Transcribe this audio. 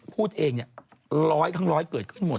พูดเองเนี่ยร้อยทั้งร้อยเกิดขึ้นหมด